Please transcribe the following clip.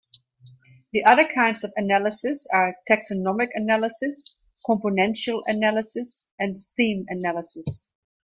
The other kinds of analysis are taxonomic analysis, componential analysis, and theme analysis.